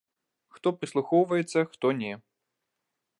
Хто прыслухоўваецца, хто не.